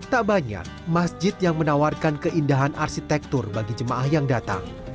tak banyak masjid yang menawarkan keindahan arsitektur bagi jemaah yang datang